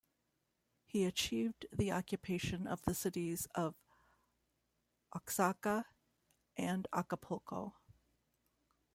He achieved the occupation of the cities of Oaxaca and Acapulco.